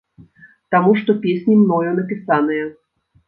Таму што песні мною напісаныя.